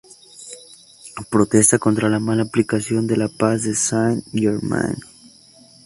Protesta contra la mala aplicación de la Paz de Saint-Germain.